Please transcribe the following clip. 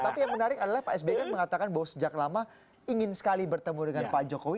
tapi yang menarik adalah pak sby kan mengatakan bahwa sejak lama ingin sekali bertemu dengan pak jokowi